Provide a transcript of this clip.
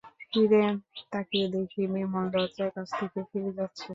ফিরে তাকিয়ে দেখি, বিমল দরজার কাছ থেকে ফিরে যাচ্ছে।